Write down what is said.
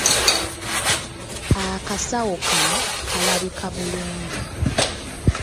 Akasawo kano kalabika bulungi.